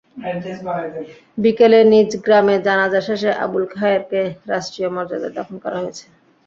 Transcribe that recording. বিকেলে নিজ গ্রামে জানাজা শেষে আবুল খায়েরকে রাষ্ট্রীয় মর্যাদায় দাফন করা হয়েছে।